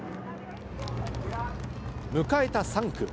迎えた３区。